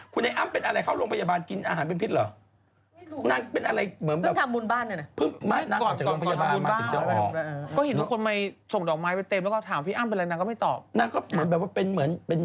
คุณไอ้อ้ำเป็นอะไรเข้าโรงพยาบาลกินอาหารเป็นพิษเหรอ